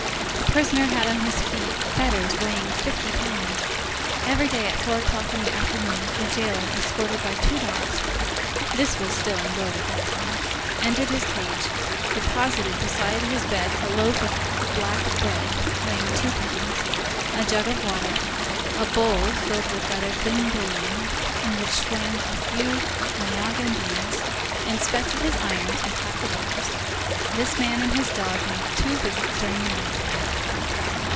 The prisoner had on his feet fetters weighing fifty pounds. Every day, at four o'clock in the afternoon, a jailer, escorted by two dogs,—this was still in vogue at that time,—entered his cage, deposited beside his bed a loaf of black bread weighing two pounds, a jug of water, a bowl filled with rather thin bouillon, in which swam a few Mayagan beans, inspected his irons and tapped the bars. This man and his dogs made two visits during the night.